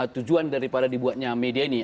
tujuan daripada dibuatnya media ini